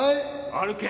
歩け！